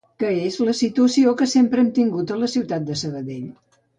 Que és la situació que sempre hem tingut a la ciutat de Sabadell